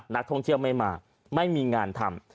นักท่องเที่ยวไม่มาไม่มีงานทำ